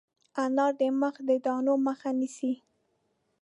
انار د مخ د دانو مخه نیسي.